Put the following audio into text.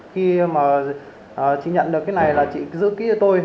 khi mà chị nhận được cái này là chị giữ kỹ cho tôi